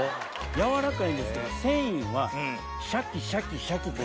やわらかいんですけど繊維はシャキシャキシャキ。